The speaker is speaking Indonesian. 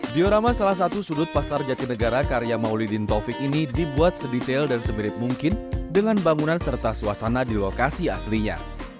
diorama salah satu sudut pasar jatinegara karya maulidin taufik ini dibuat sedetail dan semirip mungkin dengan bangunan serta suasana di lokasi aslinya